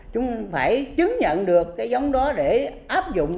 chúng phải chứng nhận được cái giống đó để áp dụng